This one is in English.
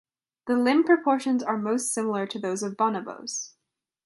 The limb proportions are most similar to those of bonobos.